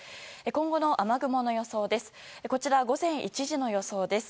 今後の雨雲の予想です。